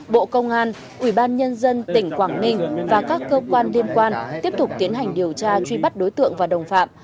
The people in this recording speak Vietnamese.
bộ công an ủy ban nhân dân tỉnh quảng ninh và các cơ quan liên quan tiếp tục tiến hành điều tra truy bắt đối tượng và đồng phạm